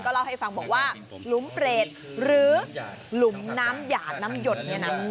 เล่าให้ฟังบอกว่าหลุมเปรตหรือหลุมน้ำหยาดน้ำหยดเนี่ยนะ